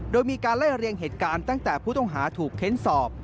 โดยมีการไล่เรียงเหตุการณ์ตั้งแต่ผู้ต้องหาถูกเค้นสอบ